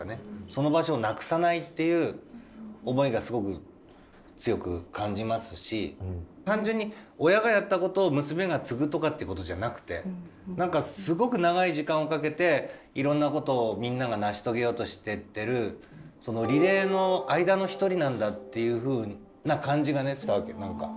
その場所をなくさないっていう思いがすごく強く感じますし単純に親がやったことを娘が継ぐとかってことじゃなくてなんかすごく長い時間をかけていろんなことをみんなが成し遂げようとしてってるリレーの間の一人なんだっていうふうな感じがねしたわけなんか。